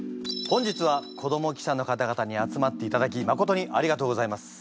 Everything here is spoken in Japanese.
本日は子ども記者の方々に集まっていただきまことにありがとうございます。